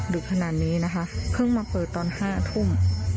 ขนาดนี้นะคะเพิ่งมาเปิดตอน๕ทุ่ม